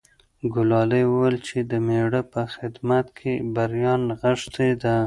ګلالۍ وویل چې د مېړه په خدمت کې بریا نغښتې ده.